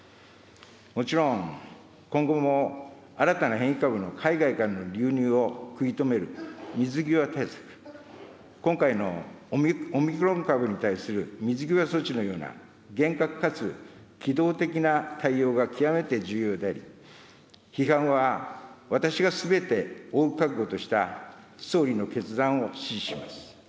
もちろん今後も新たな変異株の海外からの流入を食い止める水際対策、今回のオミクロン株に対する水際措置のような厳格かつ機動的な対応が極めて重要であり、批判は私がすべて負う覚悟とした総理の決断を支持します。